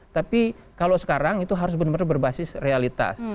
tapi kalau sekarang itu harus benar benar berbasis realitas